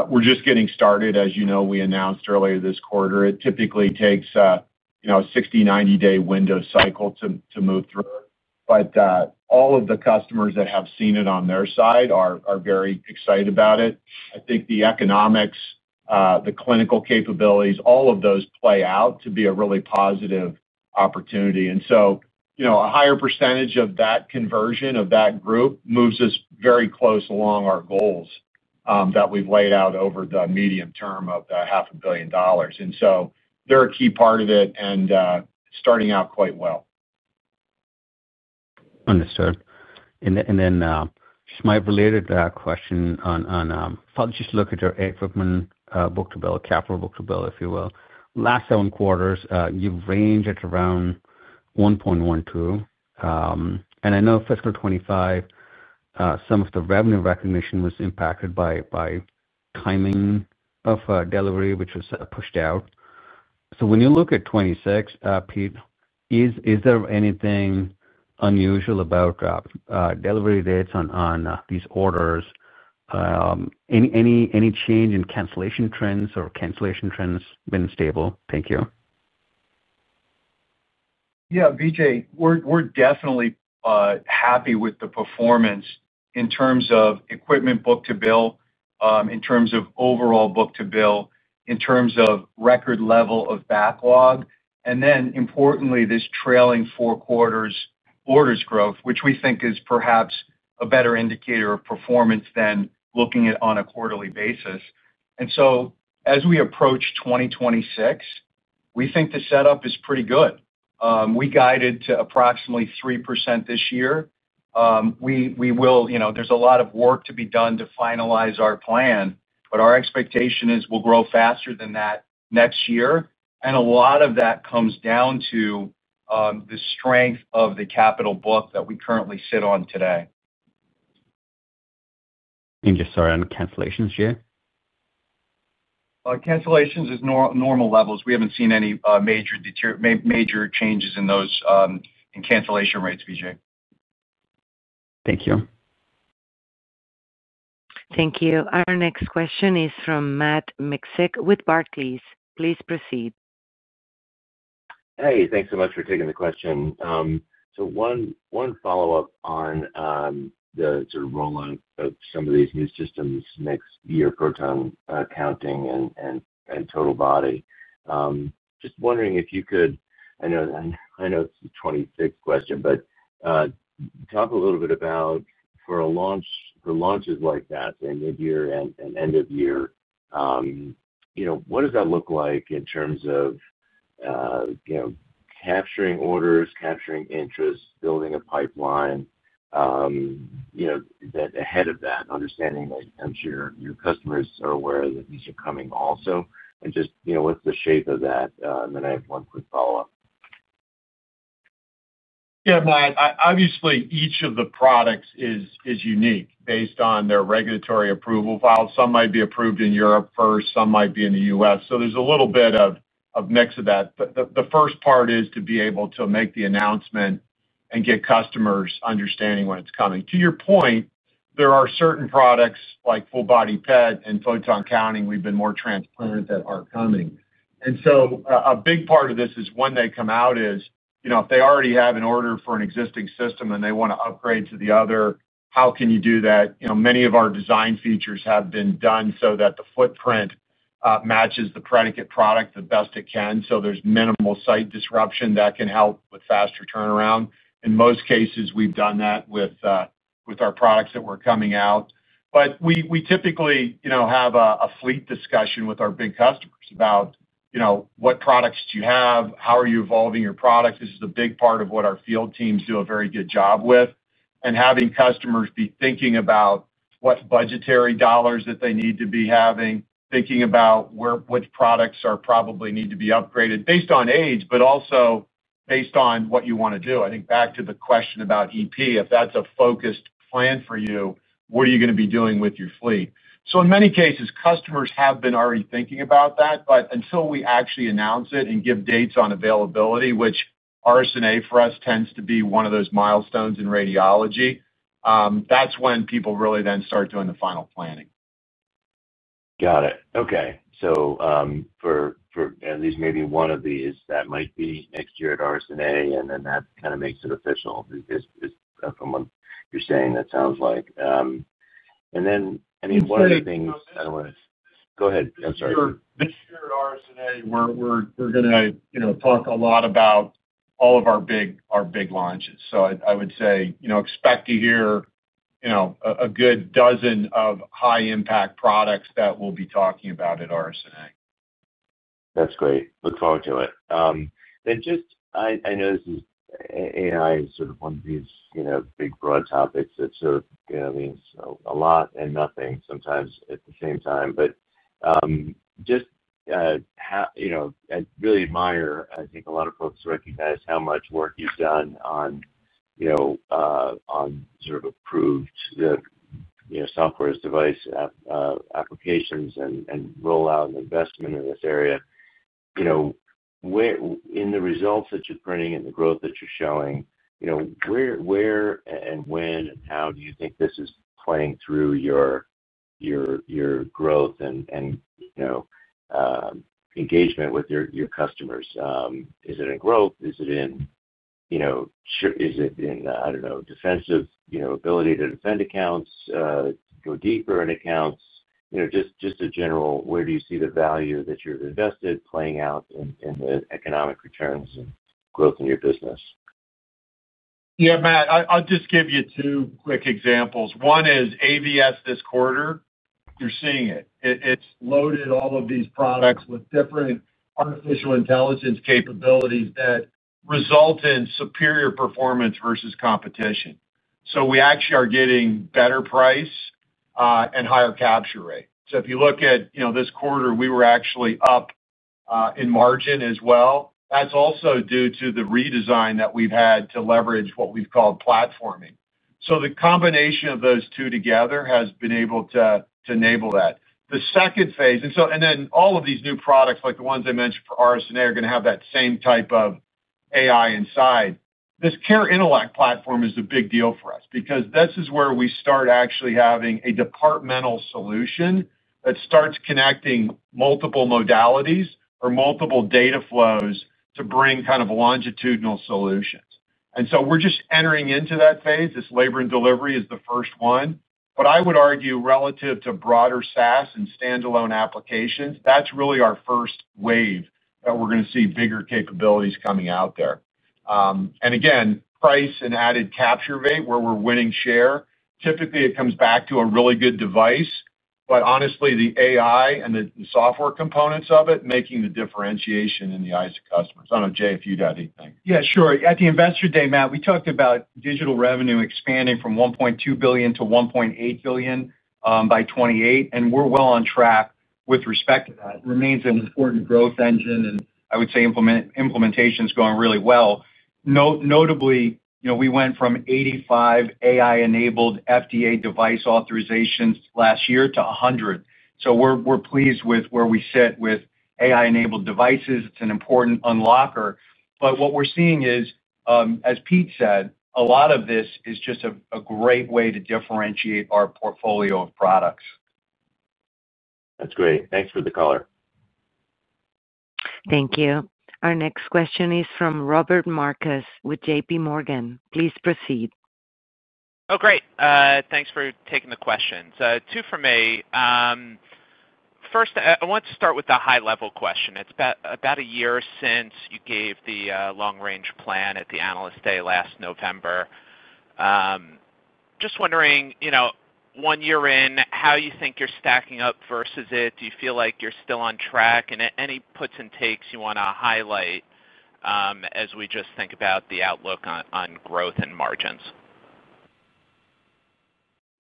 We're just getting started. As you know, we announced earlier this quarter. It typically takes, you know, 60, 90 day window cycle to move through. All of the customers that have seen it on their side are very excited about it. I think the economics, the clinical capabilities, all of those play out to be a really positive opportunity. A higher percentage of that conversion of that group moves us very close along our goals that we've laid out over the medium term of $500 million. They're a key part of it and starting out quite well. Understood. Just my related question on just look at your equipment book to bill, capital book to bill if you will last seven quarters, you range at around 1.12 and I know fiscal 2025, some of the revenue recognition was impacted by timing of delivery which was pushed out. When you look at 2026, Pete, is there anything unusual about delivery dates on these orders? Any change in cancellation trends or cancellation trends been stable. Thank you. Yeah, Vijay, we're definitely happy with the performance in terms of equipment book to bill, in terms of overall book to bill, in terms of record level of backlog, and then importantly this trailing four quarters orders growth, which we think is perhaps a better indicator of performance than looking at on a quarterly basis. As we approach 2026, we think the setup is pretty good. We guided to approximately 3% this year. There's a lot of work to be done to finalize our plan, but our expectation is we'll grow faster than that next year. A lot of that comes down to the strength of the capital book that we currently sit on today. Sorry on cancellations, Jay. Cancellations is normal levels. We haven't seen any major changes in those in cancellation rates, Vijay. Thank you. Thank you. Our next question is from Matt Miksic with Barclays. Please proceed. Thank you so much for taking the question. One follow up on the rollout of some of these new systems next year, Photon Counting and Total Body. Just wondering if you could, I know it's the 26th question, talk a little bit about for a launch, for launches like that, say mid year and end of year, what does that look like in terms of capturing orders, capturing interest, building a pipeline ahead of that, understanding? I'm sure your customers are aware that these are coming also. What's the shape of that? I have one quick follow up. Yeah, Matt. Obviously, each of the products is unique based on their regulatory approval file. Some might be approved in Europe first, some might be in the U.S., so there's a little bit of mix of that. The first part is to be able to make the announcement and get customers understanding when it's coming. To your point, there are certain products like Full Body PET, and Photon Counting, we've been more transparent that are coming. A big part of this is when they come out is, you know, if they already have an order for an existing system and they want to upgrade to the other, how can you do that? Many of our design features have been done so that the footprint matches the predicate product the best it can. There's minimal site disruption that can help with faster turnaround. In most cases, we've done that with our products that were coming out. We typically have a fleet discussion with our big customers about what products do you have, how are you evolving your product. This is a big part of what our field teams do a very good job with. Having customers be thinking about what budgetary dollars that they need to be having, thinking about which products are probably need to be upgraded based on age, but also based on what you want to do. I think back to the question about EP, if that's a focused plan for you, what are you going to be doing with your fleet? In many cases, customers have been already thinking about that, but until we actually announce it and give dates on availability, which RSNA for us tends to be one of those milestones in radiology, that's when people really then start doing the final planning. Got it. Okay. For at least maybe one of these, that might be next year at RSNA, and then that kind of makes it official from what you're saying, that sounds like. I mean, one of the things I don't want to—go ahead. I'm sorry. This year at RSNA, we're going to talk a lot about all of our big launches. I would say expect to hear a good dozen of high impact products that we'll be talking about at RSNA. That's great. Look forward to it. I know AI is sort of one of these big broad topics that means a lot and nothing sometimes at the same time. I really admire, I think a lot of folks recognize how much work you've done on sort of approved software as device applications and rollout and investment in this area, in the results that you're printing and the growth that you're showing. Where and when and how do you think this is playing through your growth and engagement with your customers? Is it in growth? Is it in, you know, is it in, I don't know, defensive, you know, ability to defend accounts, go deeper in accounts? Where do you see the value that you've invested playing out in the economic returns and growth in your business? Yeah, Matt, I'll just give you two quick examples. One is AVS. This quarter you're seeing it. It's loaded all of these products with different artificial intelligence capabilities that result in superior performance versus competition. We actually are getting better price and higher capture rate. If you look at this quarter, we were actually up in margin as well. That's also due to the redesign that we've had to leverage what we've called platforming. The combination of those two together has been able to enable that. The second phase and then all of these new products like the ones I mentioned for RSNA are going to have that same type of AI inside. This CareIntellect platform is a big deal for us because this is where we start actually having a departmental solution that starts connecting multiple modalities or multiple data flows to bring kind of longitudinal solutions. We're just entering into that phase. This labor and delivery is the first one. I would argue relative to broader SaaS and standalone applications, that's really our first wave that we're going to see bigger capabilities coming out there. Again, price and added capture rate, where we're winning share, typically it comes back to a really good device. Honestly, the AI and the software components of it making the differentiation in the eyes of customers. I don't know, Jay, if you'd have anything. Yeah, sure. At the investor day, Matt, we talked about digital revenue expanding from $1.2 billion to $1.8 billion by 2028, and we're well on track with respect to that. It remains an important growth engine. I would say implementation is going really well. Notably, we went from 85 AI-enabled FDA device authorizations last year to 100. We're pleased with where we sit with AI-powered devices. It's an important unlocker. What we're seeing is, as Pete said, a lot of this is just a great way to differentiate our portfolio of products. That's great. Thanks for the color. Thank you. Our next question is from Robert Marcus with JPMorgan. Please proceed. Oh great. Thanks for taking the questions. Two for me. First, I want to start with the high level question. It's about a year since you gave the long range plan at the analyst day last November. Just wondering one year in how you think you're stacking up versus it. Do you feel like you're still on track and any puts and takes you want to highlight as we just think about the outlook on growth and margins?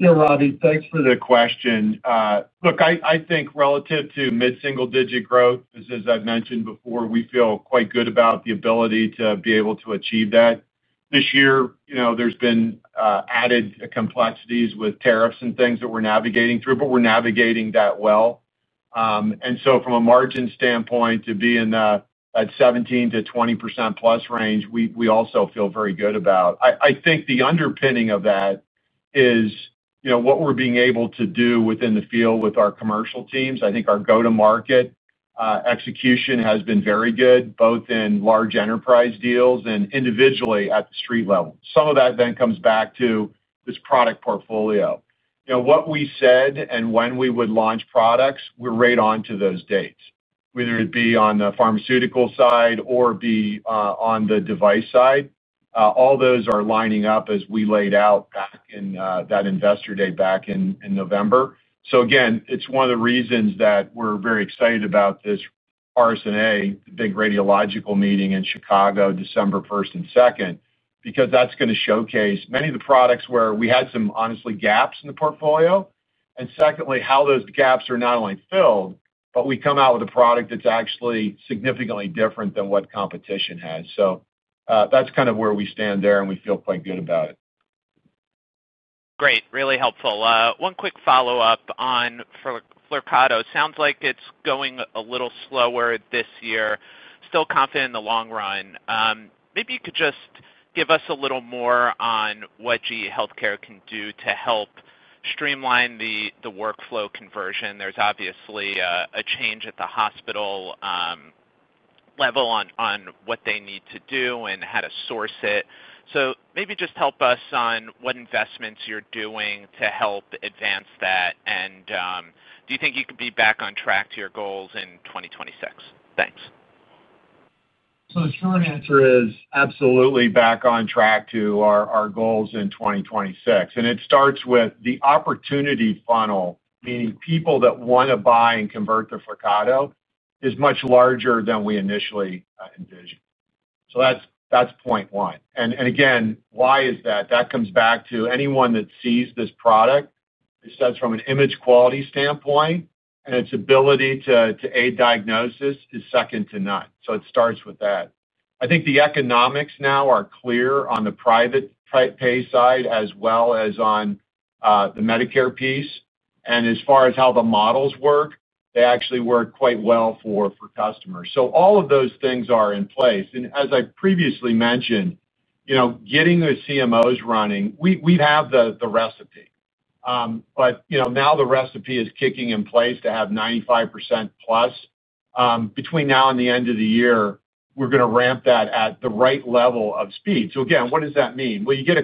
Yeah, Robbie, thanks for the question. Look, I think relative to mid single digit growth, as I've mentioned before, we feel quite good about the ability to be able to achieve that this year. There's been added complexities with tariffs and things that we're navigating through, but we're navigating that well. From a margin standpoint, to be in that 17%-20%+ range, we also feel very good about it. I think the underpinning of that is what we're being able to do within the field with our commercial teams. I think our go to market execution has been very good both in large enterprise deals and individually at the street level. Some of that then comes back to this product portfolio, what we said and when we would launch products, we're right onto those dates. Whether it be on the pharmaceutical side or on the device side, all those are lining up as we laid out back in that investor day back in November. It's one of the reasons that we're very excited about this RSNA big radiological meeting in Chicago December 1st and 2nd, because that's going to showcase many of the products where we had some honestly gaps in the portfolio and, secondly, how those gaps are not only filled, but we come out with a product that's actually significantly different than what competition has. That's kind of where we stand there and we feel quite good about it. Great. Really helpful. One quick follow-up on Flyrcado, sounds like it's going a little slower this year. Still confident in the long run. Maybe you could just give us a little more on what GE HealthCare can do to help streamline the workflow conversion. There's obviously a change at the hospital level on what they need to do and how to source it. Maybe just help us on what investments you're doing to help advance that. Do you think you could be back on track to your goals in 2026? Thanks. The short answer is absolutely back on track to our goals in 2026. It starts with the opportunity funnel, meaning people that want to buy and convert to Flyrcado is much larger than we initially envisioned. That's point one. Why is that? That comes back to anyone that sees this product. It says from an image quality standpoint and its ability to aid diagnosis is second to none. It starts with that. I think the economics now are clear on the private pay side as well as on the Medicare piece. As far as how the models work, they actually work quite well for customers. All of those things are in place. As I previously mentioned, getting the CMOs running, we have the recipe, but now the recipe is kicking in place to have 95%+ between now and the end of the year. We're going to ramp that at the right level of speed. What does that mean? You get a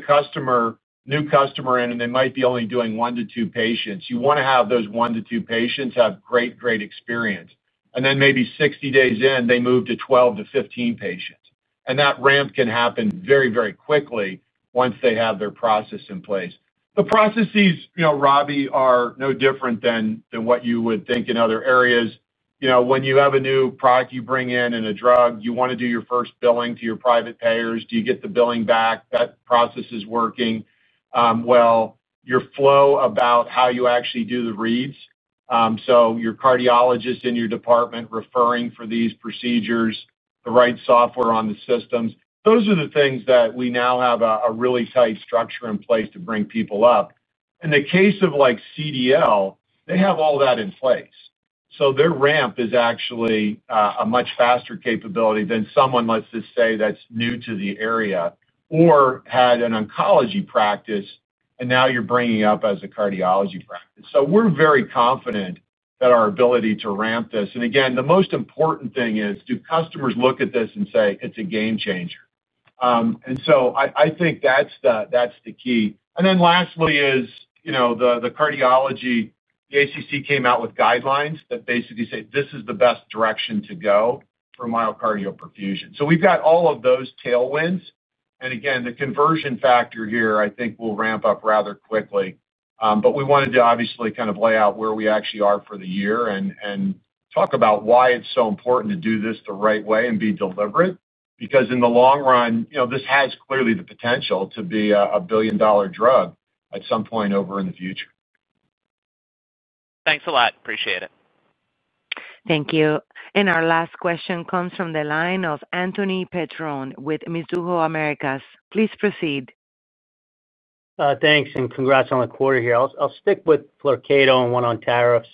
new customer in, and they might be only doing one to two patients. You want to have those one to two patients have great, great experience. Then maybe 60 days in, they move to 12 to 15 patients. That ramp can happen very, very quickly once they have their process in place. The processes, you know, Robbie, are no different than what you would think in other areas. When you have a new product you bring in and a drug, you want to do your first billing to your private payers, do you get the billing back, that process is working well, your flow about how you actually do the reads. Your cardiologist in your department referring for these procedures, the right software on the systems, those are the things that we now have a really tight structure in place to bring people up. In the case of like CDL, they have all that in place. Their ramp is actually a much faster capability than someone, let's just say, that's new to the area or had an oncology practice and now you're bringing up as a cardiology practice. We're very confident that our ability to ramp this. The most important thing is do customers look at this and say it's a game changer. I think that's the key. Lastly is the cardiology. The ACC came out with guidelines that basically say this is the best direction to go for myocardial perfusion. We've got all of those tailwinds and the conversion factor here I think will ramp up rather quickly. We wanted to obviously kind of lay out where we actually are for the year and talk about why it's so important to do this the right way and be deliberate, because in the long run, you know, this has clearly the potential to be a billion dollar drug at some point over in the future. Thanks a lot. Appreciate it. Thank you. Our last question comes from the line of Anthony Petrone with Mizuho Americas. Please proceed. Thanks and congrats on the quarter here. I'll stick with Flyrcado. One on tariffs,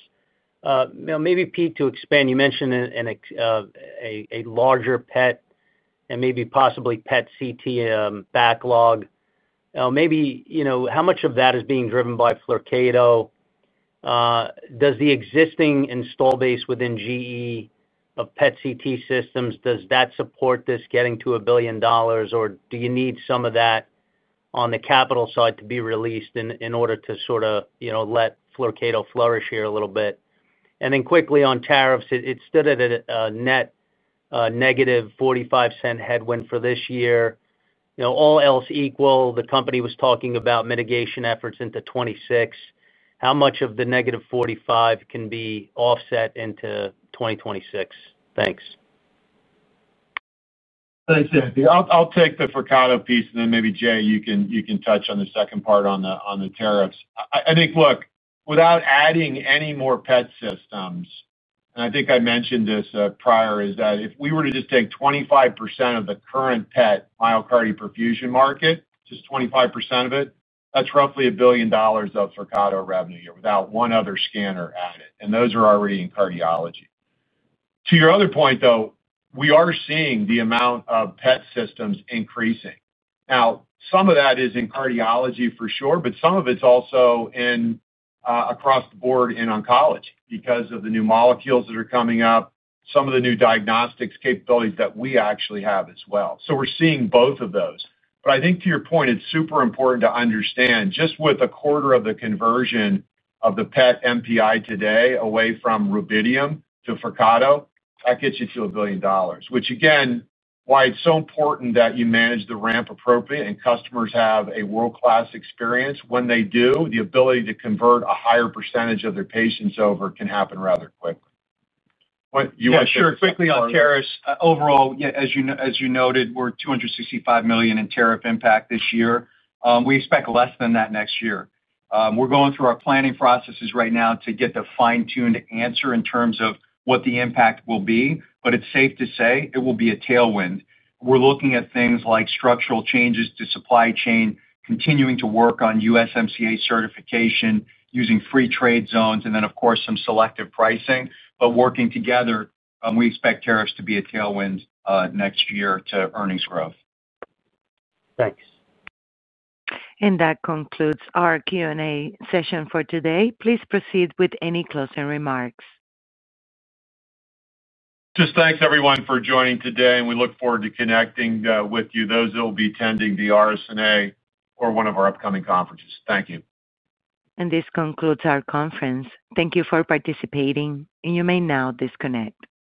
maybe Pete to expand. You mentioned a larger PET and maybe possibly PET CT backlog, maybe. How much of that is being driven by Flyrcado? Does the existing install base within GE of PET CT systems, does that support this getting to $1 billion or do you need some of that on the capital side to be released in order to sort of let Flyrcado flourish here a little bit? Quickly on tariffs, it stood at a net -$0.45 headwind for this year. All else equal, the company was talking about mitigation efforts into 2026. How much of the -$0.45 can be offset into 2026? Thanks. Thanks, Anthony. I'll take the Flyrcado piece and then maybe Jay, you can touch on the second part on the tariffs. I think, look, without adding any more PET systems, and I think I mentioned this prior, is that if we were to just take 25% of the current PET myocardial perfusion market, just 25% of it, that's roughly $1 billion of Flyrcado revenue without one other scanner added and those are already in cardiology. To your other point, though, we are seeing the amount of PET systems increasing. Now some of that is in cardiology for sure, but some of it's also across the board in oncology because of the new molecules that are coming up, some of the new diagnostics capabilities that we actually have as well. We are seeing both of those. I think to your point, it's super important to understand just with a quarter of the conversion of the PET MPI today away from Rubidium to Flyrcado, that gets you to $1 billion, which again is why it's so important that you manage the ramp appropriately and customers have a world-class experience when they do. The ability to convert a higher percentage of their patients over can happen rather quickly. Sure, quickly on tariffs. Overall, as you noted, we're $265 million in tariff impact this year. We expect less than that next year. We're going through our planning processes right now to get the fine-tuned answer in terms of what the impact will be, but it's safe to say it will be a tailwind. We're looking at things like structural changes to supply chain, continuing to work on USMCA certification, using free trade zones, and then, of course, some selective pricing. Working together, we expect tariffs to be a tailwind next year to earnings growth. Thanks. That concludes our Q and A session for today. Please proceed with any closing remarks. Thanks everyone for joining today and we look forward to connecting with you, those that will be attending the RSNA or one of our upcoming conferences. Thank you. This concludes our conference. Thank you for participating. You may now disconnect.